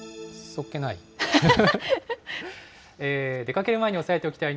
そっけない。